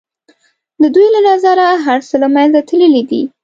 د دوی له نظره هر څه له منځه تللي دي.